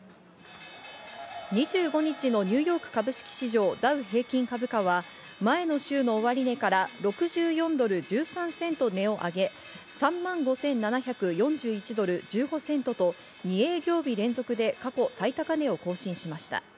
２５日のニューヨーク株式市場ダウ平均株価は前の週の終値から６４ドル１３セント値を上げ、３万５７４１ドル１５セントと、２営業日連続で過去最高値を更新しました。